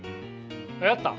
やったん？